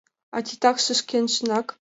А титакше шкенжынак.